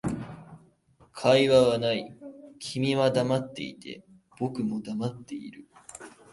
会話はない、君は黙っていて、僕も黙っている